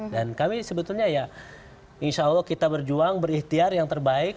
kami sebetulnya ya insya allah kita berjuang berikhtiar yang terbaik